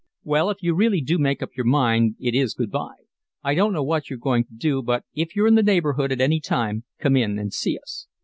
"Well, if you really do make up your mind it is good bye. I don't know what you're going to do, but if you're in the neighbourhood at any time come in and see us."